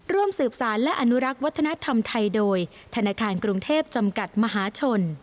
ร่วมสืบสารและอนุรักษ์วัฒนธรรมไทยโดยธนาคารกรุงเทพจำกัดมหาชน